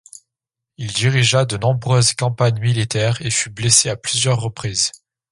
Il dirigea de nombreuses campagnes militaires et fut blessé à plusieurs reprises.